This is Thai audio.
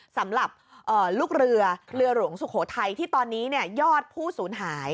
สำหรับลูกเรือเรือหลวงสุโขทัยที่ตอนนี้ยอดผู้สูญหาย